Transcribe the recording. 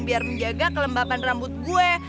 biar menjaga kelembapan rambut gue